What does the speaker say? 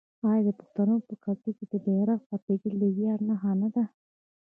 آیا د پښتنو په کلتور کې د بیرغ رپیدل د ویاړ نښه نه ده؟